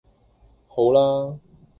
好啦